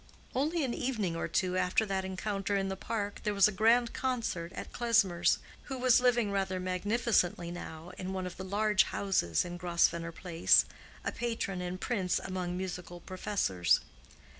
Only an evening or two after that encounter in the Park, there was a grand concert at Klesmer's, who was living rather magnificently now in one of the large houses in Grosvenor Place, a patron and prince among musical professors.